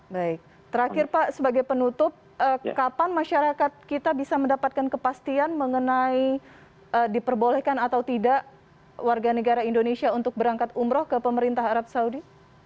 baik terakhir pak sebagai penutup kapan masyarakat kita bisa mendapatkan kepastian mengenai diperbolehkan atau tidak warga negara indonesia untuk berangkat umroh ke pemerintah arab saudi